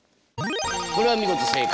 これは見事正解。